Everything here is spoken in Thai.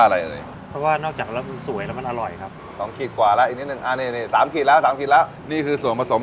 ลองดูนะฮะให้ได้๓๐๐กรัมนะครับ